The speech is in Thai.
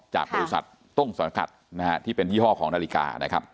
จากบริษัทต้นสังกัดนะฮะที่เป็นยี่ห้อของนาฬิกานะครับ